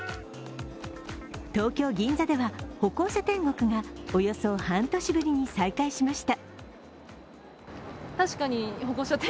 東京・銀座では、歩行者天国がおよそ半年ぶりに再開しました。